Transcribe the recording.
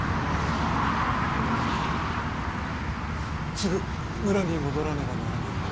すぐ村に戻らねばならねぇ。